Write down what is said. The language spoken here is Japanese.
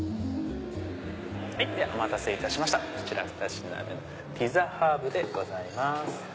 お待たせいたしましたこちら２品目のピッツァハーブでございます。